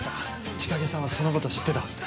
千景さんはそのこと知ってたはずだ。